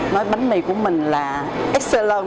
nói bánh mì của mình là excellent